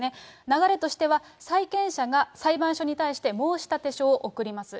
流れとしては、債権者が裁判所に対して、申立書を送ります。